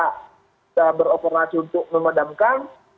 kita beroperasi untuk memendamkan